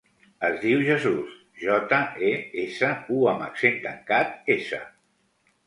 Es diu Jesús: jota, e, essa, u amb accent tancat, essa.